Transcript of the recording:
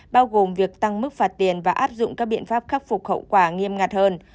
bao gồm việc tăng mức phạt tiền và áp dụng các biện pháp khắc phục hậu quả nghiêm ngặt hơn